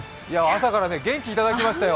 朝から元気をいただきましたよ。